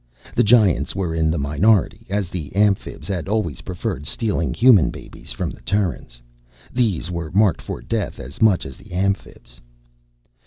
The Giants were in the minority, as the Amphibs had always preferred stealing Human babies from the Terrans. These were marked for death as much as the Amphibs.